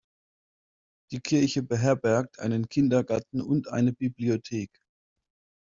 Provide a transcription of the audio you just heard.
Die Kirche beherbergt einen Kindergarten und eine Bibliothek.